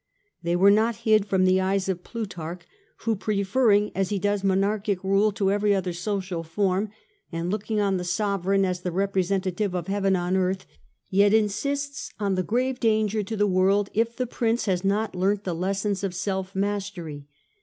They were not hid from the eyes of Plutarch, who preferring as he does monarchic rule to every other social form, and looking on the sovereign as the representative of heaven on earth, yet insists on the grave danger to the world if the prince has not learnt the lessons of self mastery.